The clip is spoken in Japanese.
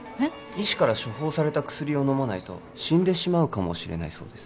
医師から処方された薬を飲まないと死んでしまうかもしれないそうです